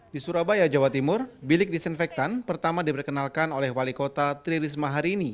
di surabaya jawa timur bilik disinfektan pertama diperkenalkan oleh wali kota tririsma harini